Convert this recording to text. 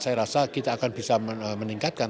saya rasa kita akan bisa meningkatkan